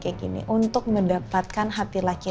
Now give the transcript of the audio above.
ikut sesuatu ya nino